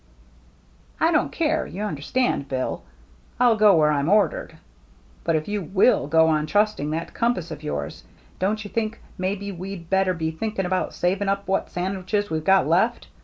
"I don't care, you understand, Bill. I'll go where I'm ordered. But if you will go on trusting that compass of yours, don't you think maybe we'd better be thinking about saving up what sandwiches we've got left?